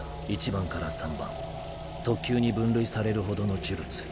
１番から３番特級に分類されるほどの呪物